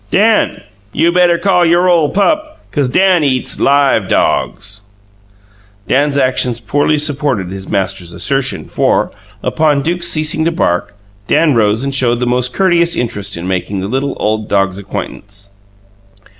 "Dan. You better call your ole pup, 'cause Dan eats LIVE dogs." Dan's actions poorly supported his master's assertion, for, upon Duke's ceasing to bark, Dan rose and showed the most courteous interest in making the little, old dog's acquaintance.